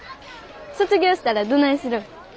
卒業したらどないするん？